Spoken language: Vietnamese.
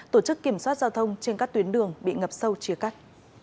tổ chức kiểm soát giao thông trên các tuyến đường bị ngập sâu chia cắt